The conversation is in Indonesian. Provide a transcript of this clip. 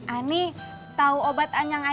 ani tau obat anyang anyangan